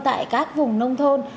tại các vùng nông thôn